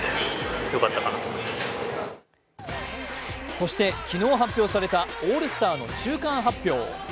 そして昨日発表されたオールスターの中間発表。